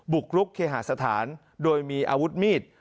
กรุกเคหาสถานโดยมีอาวุธมีด